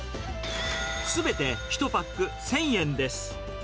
すべて１パック１０００円です。